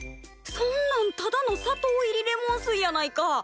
そんなんただの砂糖入りレモン水やないか。